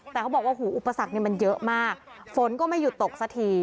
แต่เขาบอกว่าหูอุปสรรคมันเยอะมากฝนก็ไม่หยุดตกสักที